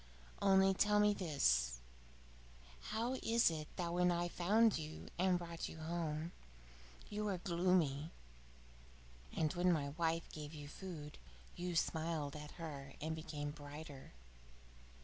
Only tell me this: how is it that when I found you and brought you home, you were gloomy, and when my wife gave you food you smiled at her and became brighter?